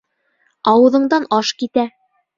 Ауыҙыңдан аш китә.